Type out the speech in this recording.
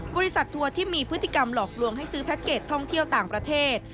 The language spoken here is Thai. ทัวร์ที่มีพฤติกรรมหลอกลวงให้ซื้อแพ็คเกจท่องเที่ยวต่างประเทศ